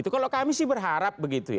kalau kami sih berharap begitu ya